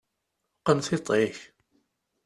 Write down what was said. Qqen tiṭ-ik!